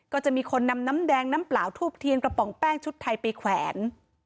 ก็จะมีคนนำน้ำแดงน้ำเปล่าทูบเทียนกระป๋องแป้งชุดไทยไปแขวน